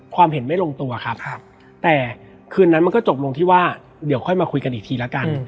ความเห็นไม่ลงตัวครับแต่คืนนั้นมันก็จบลงที่ว่าเดี๋ยวค่อยมาคุยกันอีกทีละกัน